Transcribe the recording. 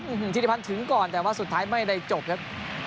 ธิริพันธ์ถึงก่อนแต่ว่าสุดท้ายไม่ได้จบครับ